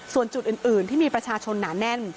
ส่วนจุดอื่นที่มีประชาชนหนาแน่น